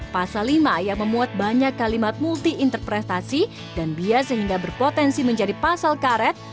pasal lima yang memuat banyak kalimat multi interpretasi dan bias sehingga berpotensi menjadi pasal karet